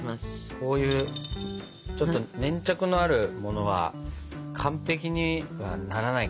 こういうちょっと粘着のあるものは完璧にはならないからね。